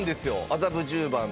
麻布十番